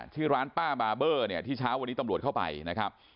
ชื่อร้านป้าบาเบอร์เนี่ยที่เช้าวันนี้ตำรวจเข้าไปนะครับ